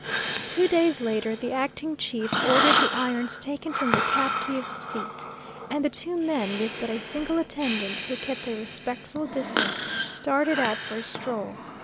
Two days later, the acting chief ordered the irons taken from the captive's feet, and the two men, with but a single attendant, who kept a respectful distance, started out for a stroll.